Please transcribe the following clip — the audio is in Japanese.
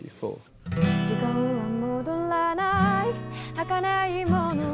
「時間は戻らない儚いもの」